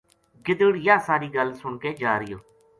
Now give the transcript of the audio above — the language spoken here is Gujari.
گدڑ یاہ ساری گل سن کے جا رہیو